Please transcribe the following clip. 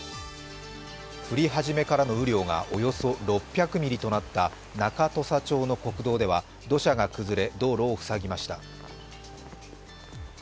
降り始めからの雨量がおよそ６００ミリとなった中土佐町の国道では土砂が崩れ道路を塞ぎました。